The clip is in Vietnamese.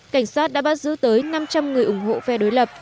cảnh sát đã bắt giữ tới năm trăm linh người ủng hộ phe đối lập